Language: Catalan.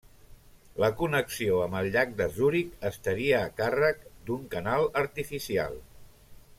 La connexió amb el llac de Zuric, estaria a càrrec d'un canal artificial.